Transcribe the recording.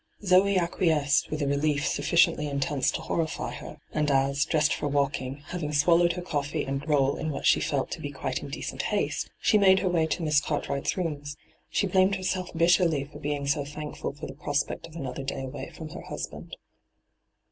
Zoe acquiesced with a relief sufficiently intense to horrify her, and as, dressed for walking, having swallowed her coffee and roll in what she felt to be quite indecent haste, she made her way to Miss Cartwright's rooms, she blamed herself bitterly for being so thankful for the prospect of another day away from her husband.